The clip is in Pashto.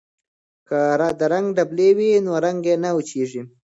که د رنګ ډبلي وي نو رنګ نه وچیږي.